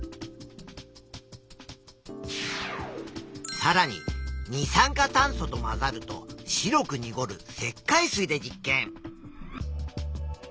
さらに二酸化炭素と混ざると白くにごる石灰水で実験。